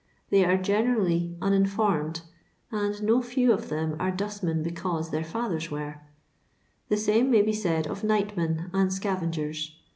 They are generally uninformed, and no few of them are dustmen because their fathers were. The same may be said of nightmen and scavengers.